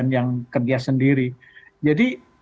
lalu yang tadi punya penghasilan dipotong dari penghasilannya